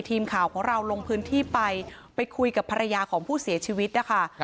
ทีมข่าวของเราลงพื้นที่ไปไปคุยกับภรรยาของผู้เสียชีวิตนะคะ